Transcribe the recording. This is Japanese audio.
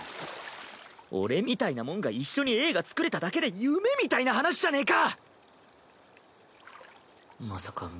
俺みたいな者が一緒に映画作れただけで夢みたいな話じゃねぇか。